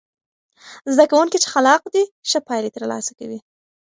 زده کوونکي چې خلاق دي، ښه پایلې ترلاسه کوي.